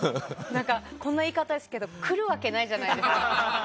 こんな言い方あれですけど来るわけないじゃないですか。